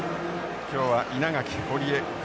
今日は稲垣堀江グ